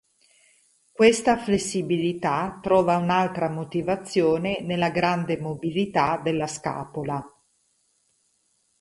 Questa flessibilità trova un'altra motivazione nella grande mobilità della scapola.